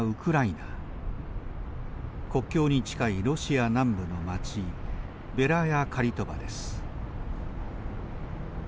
国境に近いロシア南部の町ベラヤカリトバです。